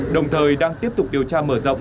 đồng thời đang tiếp tục điều tra mở rộng